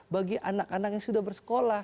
bagi anak anak yang sudah bersekolah